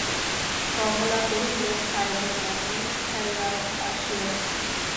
কমলা কহিল, খাইব না, আমি খাইয়া আসিয়াছি।